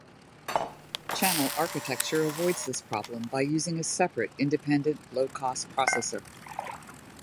Channel architecture avoids this problem by using a separate, independent, low-cost processor.